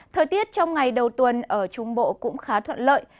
thời tiết trong ngày đầu tuần ở trung bộ cũng khá thuận lợi